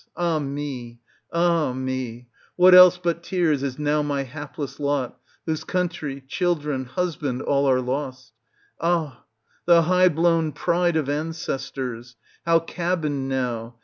Ah me ! ah me ! What else but tears is now my hapless lot, whose country, children, husband, all are lost ? Ah ! the high blown pride of ancestors ! how cabined now